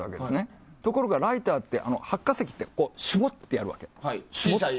ところがライターって発火石を絞ってやるわけ。